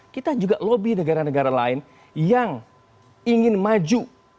kita juga lobby negara negara lain yang ingin maju